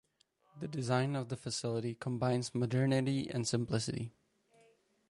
The design of the facility combines modernity and simplicity.